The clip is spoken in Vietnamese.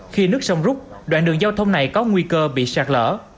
khi nứt sông rút đoạn đường giao thông này có nguy cơ bị sạt lỡ